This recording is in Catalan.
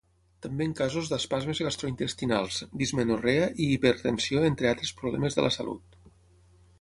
També en casos d'espasmes gastrointestinals, dismenorrea i hipertensió entre altres problemes de la salut.